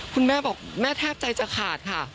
คุณแม่บอกแม่แทบใจจะขาดค่ะ